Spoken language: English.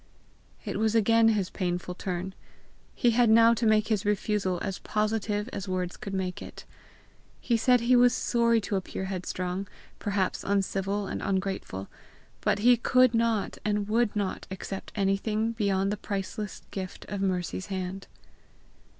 It was again his painful turn. He had now to make his refusal as positive as words could make it. He said he was sorry to appear headstrong, perhaps uncivil and ungrateful, but he could not and would not accept anything beyond the priceless gift of Mercy's hand.